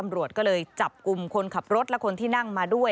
ตำรวจก็เลยจับกลุ่มคนขับรถและคนที่นั่งมาด้วย